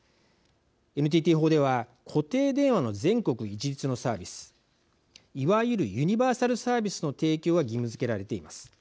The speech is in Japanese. ＮＴＴ法では固定電話の全国一律のサービスいわゆるユニバーサルサービスの提供が義務づけられています。